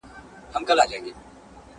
خپل اعصاب کنټرول کړئ.